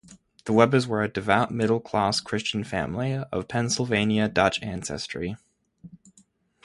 The Webers were a devout middle class Christian family of Pennsylvania Dutch ancestry.